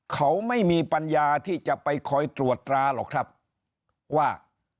เขาไม่มีปัญญาที่จะไปคอยตรวจตราหรอกครับว่า